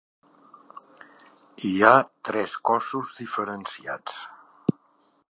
Hi ha tres cossos diferenciats.